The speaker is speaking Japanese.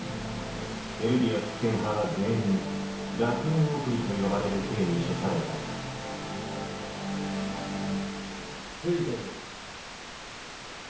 エルディア復権派は全員「楽園送り」と呼ばれる刑に処された着いたぞ。